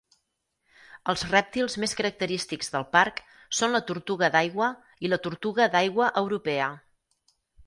Els rèptils més característics del parc són la tortuga d'aigua i la tortuga d'aigua europea.